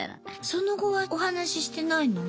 その後はお話ししてないの？